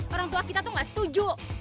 orang tua kita tuh gak setuju